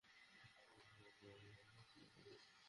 আজকাল মানুষ কিভাবে বিয়ে করে?